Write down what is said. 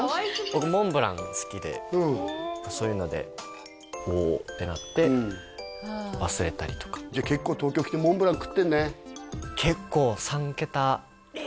僕モンブラン好きでそういうのでおおってなって忘れたりとかじゃあ結構東京来てモンブラン食ってるね結構え！？